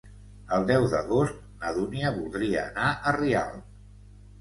El deu d'agost na Dúnia voldria anar a Rialp.